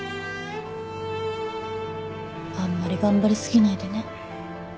あんまり頑張り過ぎないでね。